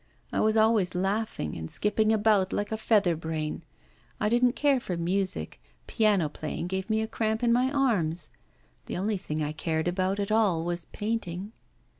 I was always laughing and skipping about like a featherbrain. I didn't care for music, piano playing gave me a cramp in my arms. The only thing I cared about at all was painting.